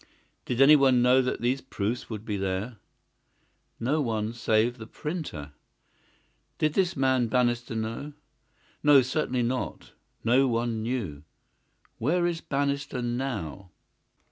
"Did anyone know that these proofs would be there?" "No one save the printer." "Did this man Bannister know?" "No, certainly not. No one knew." "Where is Bannister now?"